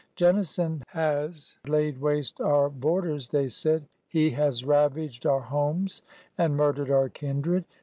Jennison has laid waste our borders," they said. He has ravaged our homes and murdered our kindred.